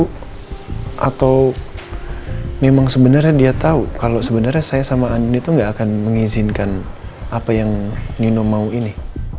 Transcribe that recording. atau memang sebenarnya dia tahu kalau sebenarnya saya sama andi itu nggak akan mengizinkan apa yang nino mau ini